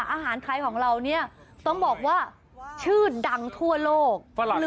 อาหารไทยของเราเนี่ยต้องบอกว่าชื่อดังทั่วโลก